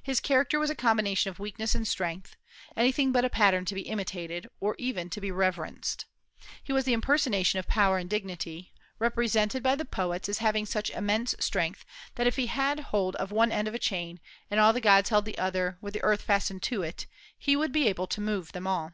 His character was a combination of weakness and strength, anything but a pattern to be imitated, or even to be reverenced. He was the impersonation of power and dignity, represented by the poets as having such immense strength that if he had hold of one end of a chain, and all the gods held the other, with the earth fastened to it, he would be able to move them all.